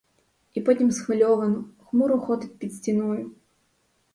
І потім схвильовано, хмуро ходить під стіною.